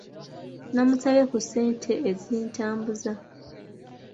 Nnamusabayo ku ssente ezintambuza.